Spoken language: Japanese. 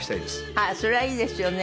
あっそれはいいですよね。